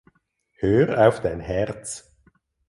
Hör auf dein Herz.